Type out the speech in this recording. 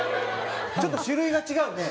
ちょっと種類が違うね。